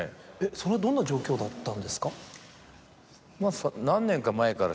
それはどんな状況だったんですか？